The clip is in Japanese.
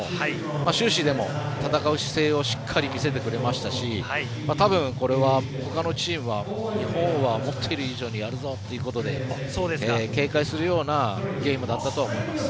終始、戦う姿勢をしっかり見せてくれましたしたぶん、ほかのチームは日本は思っているよりやるぞということで警戒するようなゲームだったとは思います。